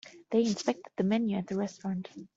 They inspected the menu at the restaurant.